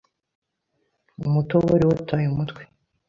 Umuto wari wataye umutwe